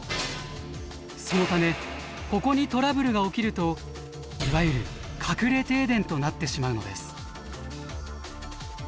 そのためここにトラブルが起きるといわゆる隠れ停電となってしまうのです。